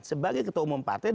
sebagai ketua umum partai